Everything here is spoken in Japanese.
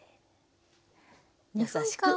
優しく。